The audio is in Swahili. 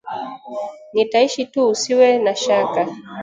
Nitaishi tu usiwe na shaka!”